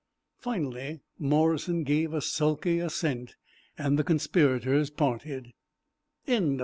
Finally Morrison gave a sulky assent, and the conspirators parted.